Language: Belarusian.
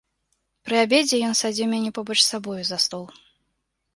Пры абедзе ён садзіў мяне побач з сабою за стол.